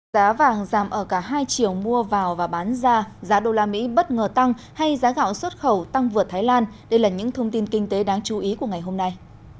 giá vàng giảm ở cả hai triệu mua vào và bán ra giá đô la mỹ bất ngờ tăng hay giá gạo xuất khẩu tăng vượt thái lan đây là những thông tin kinh tế đáng chú ý của ngày hôm nay